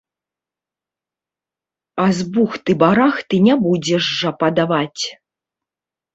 А з бухты-барахты не будзеш жа падаваць!